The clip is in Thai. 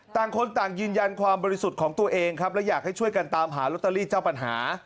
ต่างคนต่างยืนยันความบริสุทธิ์ของตัวเองครับและอยากให้ช่วยกันตามหาลอตเตอรี่เจ้าปัญหา